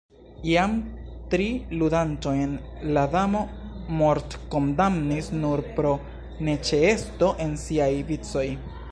Jam tri ludantojn la Damo mortkondamnis nur pro neĉeesto en siaj vicoj.